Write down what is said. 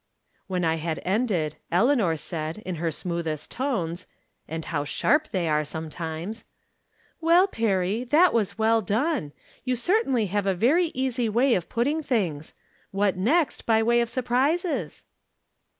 When I had ended, Eleanor said, in her smoothest tones (and how sharp they are, some times) :" Well, Perry, that was well done. You cer tainly have a very easy way of putting things. What next, by way of surprises